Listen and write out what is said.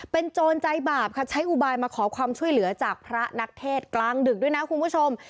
เป็นโจรใจบาปค่ะใช้อุบายมาขอความช่วยเหลือจากพระนักเทศกลางดึกด้วยนะคุณผู้ชม